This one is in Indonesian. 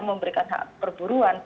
memberikan hak perburuan